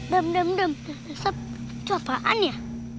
dam dam dam itu apaan ya